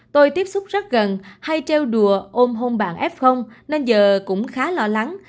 tôi tiếp xúc rất gần hay treo đùa ôm hôn bạn f nên giờ cũng khá lo lắng